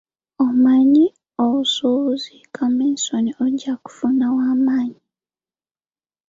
Omanyi obusuubuzi; kaminsoni ojja kufuna wa maanyi.